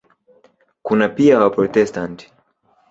Kuna pia Waprotestanti.